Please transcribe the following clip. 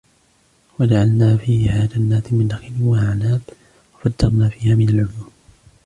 وَجَعَلْنَا فِيهَا جَنَّاتٍ مِنْ نَخِيلٍ وَأَعْنَابٍ وَفَجَّرْنَا فِيهَا مِنَ الْعُيُونِ